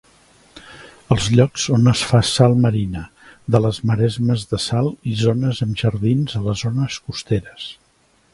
Els llocs on es fa salt marina, de les maresmes de sal i zones amb jardins a les zones costeres.